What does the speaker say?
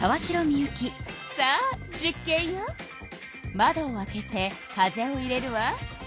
窓を開けて風を入れるわ。